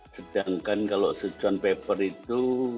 sedangkan kalau suchant pepper itu